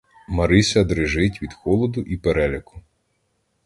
Марися дрижить від холоду і переляку.